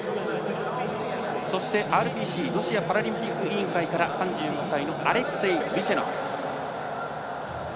そして、ＲＯＣ＝ロシアオリンピック委員会から３４歳のアレクセイ・ブィチェノク。